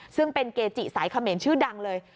ซึ่งเป็นเกจิสายเขมรชื่อดังเลย